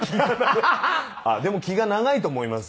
あっでも気が長いと思います